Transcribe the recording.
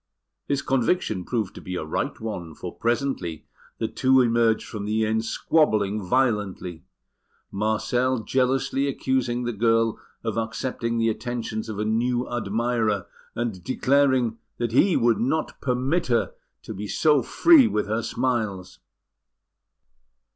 His conviction proved to be a right one, for presently the two emerged from the inn squabbling violently, Marcel jealously accusing the girl of accepting the attentions of a new admirer, and declaring that he would not permit her to be so free with her smiles.